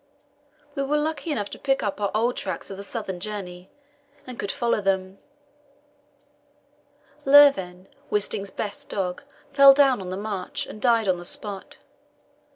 We were lucky enough to pick up our old tracks of the southern journey, and could follow them. Lurven, Wisting's best dog, fell down on the march, and died on the spot.